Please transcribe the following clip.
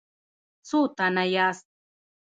څو تنه یاست؟